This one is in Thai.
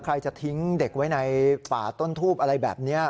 ใครจะทิ้งเด็กไว้ในป่าต้นทูบอะไรแบบนี้